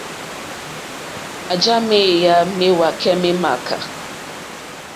Ò màjǎ méyá méwàkɛ́ mé mááká.